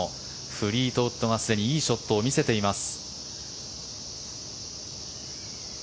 フリートウッドがすでにいいショットを見せています。